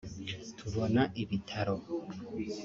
tubona ibitaro